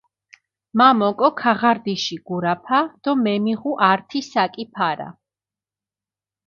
მა მოკო ქაღარდიში გურაფა დო მემიღუ ართი საკი ფარა.